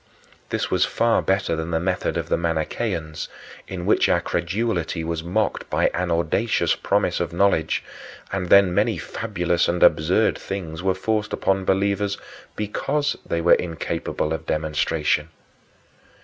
This was far better than the method of the Manicheans, in which our credulity was mocked by an audacious promise of knowledge and then many fabulous and absurd things were forced upon believers because they were incapable of demonstration.